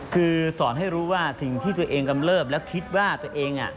คือสอนให้รู้ว่าสิ่งที่ตัวเองกำเริบแล้วคิดว่าตัวเอง